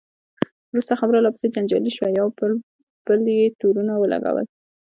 وروسته خبره لا پسې جنجالي شوه، پر یو بل یې تورونه ولګول.